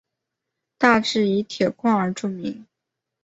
大冶以铁矿而著名。